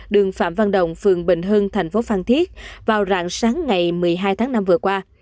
đường phạm văn đồng phường bình hưng thành phố phan thiết vào rạng sáng ngày một mươi hai tháng năm vừa qua